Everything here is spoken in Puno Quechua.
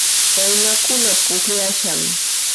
Waynakuna pukllashan